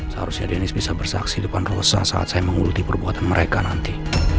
seharusnya dennis bisa bersaksi depan dosa saat saya menguluti perbuatan mereka nanti